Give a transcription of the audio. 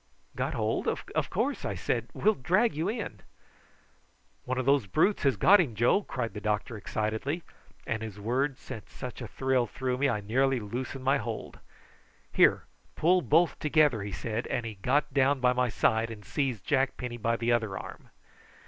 "Got hold? Of course," I said, "we'll drag you in." "One of those brutes has got him, Joe," cried the doctor excitedly, and his words sent such a thrill through me that I nearly loosed my hold. "Here, pull both together," he said, as he got down by my side and seized Jack Penny by the other arm.